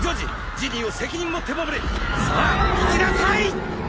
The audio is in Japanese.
ジニーを責任持って守れさあ行きなさい！